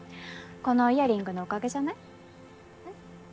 このイヤリングのおかげじゃない？えっ？